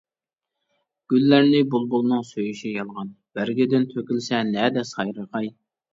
گۈللەرنى بۇلبۇلنىڭ سۆيۈشى يالغان، بەرگىدىن تۆكۈلسە نەدە سايرىغاي.